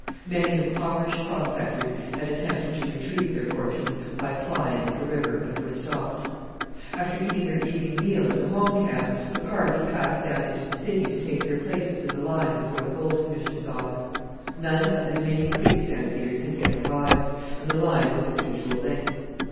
Many impoverished prospectors had attempted to retrieve their fortunes by plying at the river, but were stopped. After eating their evening meal at the home camp the party passed down into the city to take their places in the line before the Gold Commissioner's office. None of the Dominion Creek stampeders had yet arrived, and the line was its usual length.